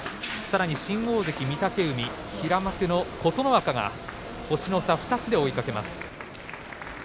さらに新大関の御嶽海平幕の琴ノ若が星の差２つで追いかけます。